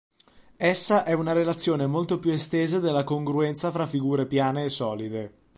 Essa è una relazione molto più estesa della congruenza fra figure piane e solide.